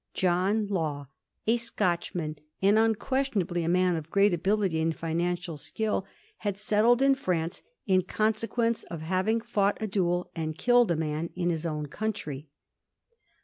John Law, a Scotchman, and unquestion ably a man of great ability and financial skill, had settled in France in consequence of having fought a duel and killed his man in his own country.